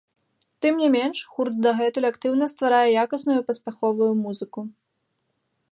Тым не менш, гурт дагэтуль актыўна стварае якасную і паспяховую музыку.